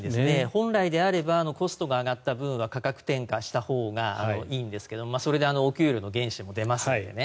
本来であればコストが上がった分は価格転嫁したほうがいいんですがそれでお給料の原資も出ますのでね。